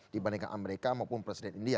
dibandingkan amerika maupun presiden india